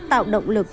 tạo động lực